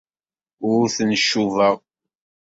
Ur ten-cubaɣ.